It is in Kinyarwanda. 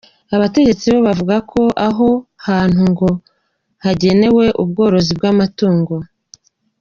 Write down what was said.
Abategetsi bo bavuga ko aho hantu ngo hagenewe ubworozi bw’amatungo.